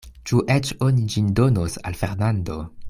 Ĉu eĉ oni ĝin donos al Fernando?